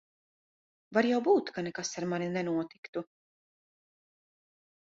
Var jau būt, ka nekas ar mani nenotiku.